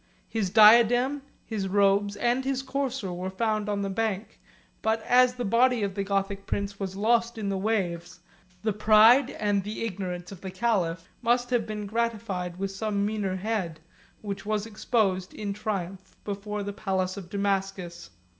His diadem, his robes, and his courser, were found on the bank; but as the body of the Gothic prince was lost in the waves, the pride and ignorance of the caliph must have been gratified with some meaner head, which was exposed in triumph before the palace of Damascus.